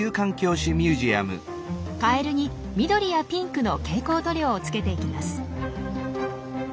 カエルに緑やピンクの蛍光塗料をつけていきます。